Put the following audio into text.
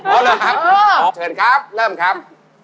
เอาเลยครับเชิญครับเริ่มครับ